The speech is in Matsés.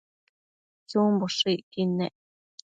chumboshëcquid nec